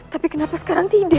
tapi kenapa sekarang tidak